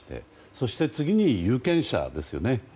そして、次に有権者ですよね。